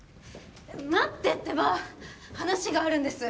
待ってってば話があるんです